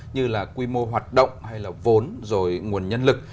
như là quy mô hoạt động hay là vốn rồi nguồn nhân lực